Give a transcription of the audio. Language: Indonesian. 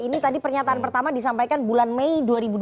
ini tadi pernyataan pertama disampaikan bulan mei dua ribu dua puluh